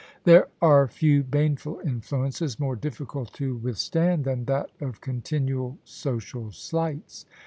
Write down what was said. There are few baneful influences more difficult to with stand than that of continual social slights.